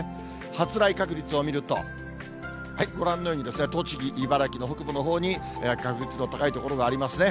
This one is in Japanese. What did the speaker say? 発雷確率を見ると、ご覧のようにですね、栃木、茨城の北部のほうに確率の高い所がありますね。